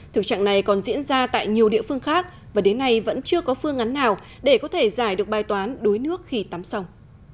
thực trạng này còn diễn ra tại nhiều địa phương khác và đến nay vẫn chưa có phương án nào để có thể giải được bài toán đuối nước khi tắm sông